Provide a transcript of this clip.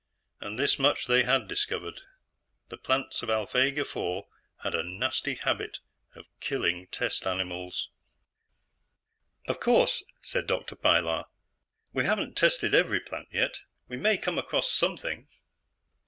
And this much they had discovered: The plants of Alphegar IV had a nasty habit of killing test animals. "Of course," said Dr. Pilar, "we haven't tested every plant yet. We may come across something."